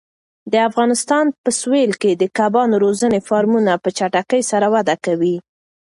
د افغانستان په سویل کې د کبانو روزنې فارمونه په چټکۍ سره وده کوي.